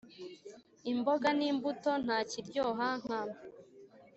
imboga n’imbuto nta kiryoha nka